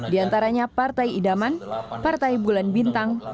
di antaranya partai idaman partai bulan bintang